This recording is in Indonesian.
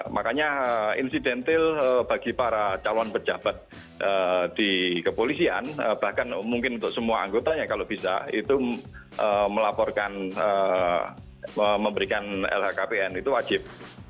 makanya insidentil bagi para calon pejabat di kepolisian bahkan mungkin untuk semua anggotanya kalau bisa itu melaporkan memberikan lhkpn itu wajib